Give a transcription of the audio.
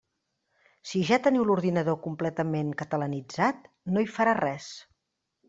Si ja teniu l'ordinador completament catalanitzat, no hi farà res.